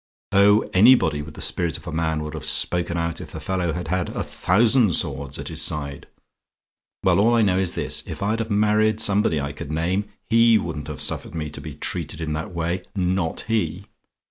Oh, anybody with the spirit of a man would have spoken out if the fellow had had a thousand swords at his side. Well, all I know is this: if I'd have married somebody I could name, he wouldn't have suffered me to be treated in that way, not he!